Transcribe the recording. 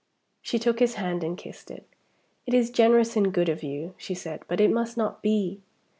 She took his hand, and kissed it. "It is generous and good of you," she said; "but it must not be."